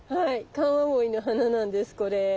カンアオイの花なんですこれ。